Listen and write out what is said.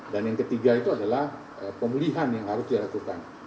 dan yang ketiga itu adalah pemulihan yang harus diharapkan